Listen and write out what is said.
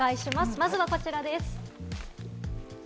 まずは、こちらです。